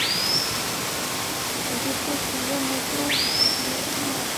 জুতো খুলে মুজো দিয়ে মারব!